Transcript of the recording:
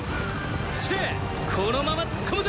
っしこのまま突っ込むぞ！